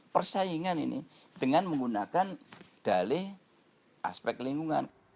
persaingan ini dengan menggunakan dalih aspek lingkungan